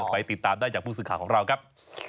ไปติดตามได้จากผู้สื่อข่าวของเราครับ